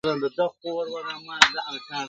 پرسکروټو به وروړمه د تڼاکو رباتونه -